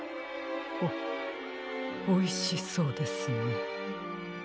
おおいしそうですね。